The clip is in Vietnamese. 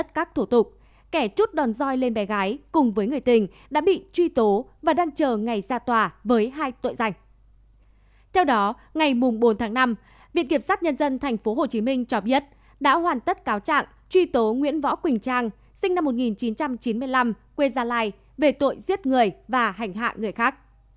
theo đó ngày bốn tháng năm viện kiểm sát nhân dân tp hcm cho biết đã hoàn tất cáo trạng truy tố nguyễn võ quỳnh trang sinh năm một nghìn chín trăm chín mươi năm quê gia lai về tội giết người và hành hạ người khác